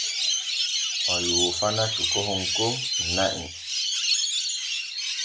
O yoofana cukahon kon na’i.